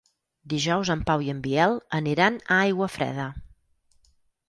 Dijous en Pau i en Biel aniran a Aiguafreda.